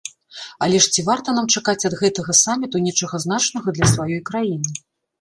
Але ж ці варта нам чакаць ад гэтага саміту нечага значнага для сваёй краіны?